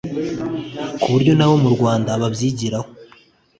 ku buryo n’abo mu Rwanda babyigiraho